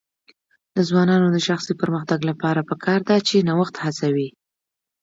د ځوانانو د شخصي پرمختګ لپاره پکار ده چې نوښت هڅوي.